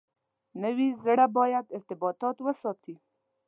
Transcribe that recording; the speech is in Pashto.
نوي زره باید ارتباطات وساتي.